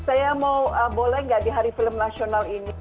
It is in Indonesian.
saya mau boleh nggak di hari film nasional ini